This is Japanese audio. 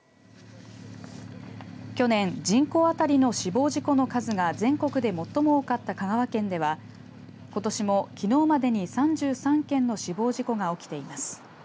去年、人口当たりの死亡事故の数が全国で最も多かった香川県ではことしもきのうまでに３３件の死亡事故が起きています。